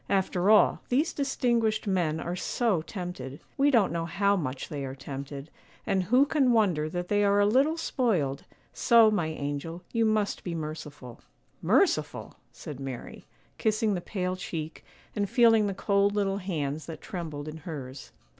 After all, these distinguished men are so tempted; we don't know how much they are tempted; and who can wonder that they are a little spoiled; so, my angel, you must be merciful.' 'Merciful!' said Mary, kissing the pale cheek and feeling the cold little hands that trembled in hers.